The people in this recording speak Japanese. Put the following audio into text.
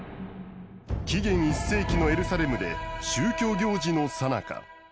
紀元１世紀のエルサレムで宗教行事のさなか。